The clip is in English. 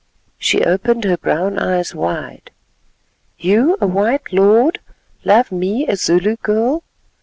She opened her brown eyes wide. "You, a white lord, love me, a Zulu girl?